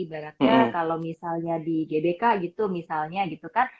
ibaratnya kalau misalnya di gbk gitu misalnya gitu kan